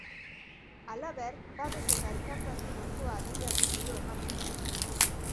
Halaber, babes eta elkartasun osoa adierazi dio emakumeari.